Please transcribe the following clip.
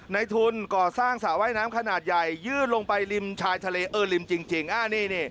ในทุนก่อสร้างสระว่ายน้ำขนาดใหญ่ยื่นลงไปริมชายทะเลเออริมจริง